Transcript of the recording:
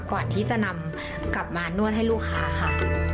ก่อนที่จะนำกลับมานวดให้ลูกค้าค่ะ